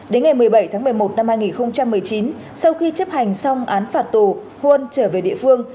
đến ngày một mươi bảy tháng một mươi một năm hai nghìn một mươi chín sau khi chấp hành xong án phạt tù huân trở về địa phương